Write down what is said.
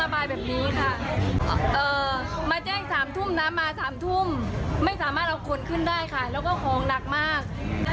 มาแจ้งสามทุ่มน้ำมาสามทุ่มไม่สามารถเอาขนขึ้นได้ค่ะแล้วก็ของหนักมาก